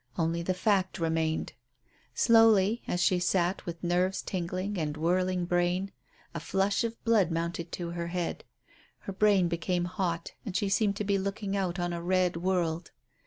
Only the fact remained. Slowly, as she sat with nerves tingling and whirling brain, a flush of blood mounted to her head, her brain became hot, and she seemed to be looking out on a red world.